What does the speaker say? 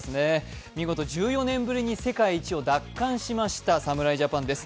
見事１４年ぶりに世界一を奪還しました侍ジャパンです。